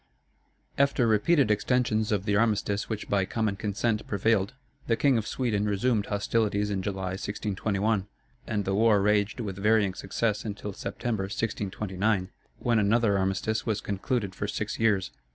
After repeated extensions of the armistice which by common consent prevailed, the King of Sweden resumed hostilities in July, 1621; and the war raged with varying success until September, 1629, when another armistice was concluded for six years.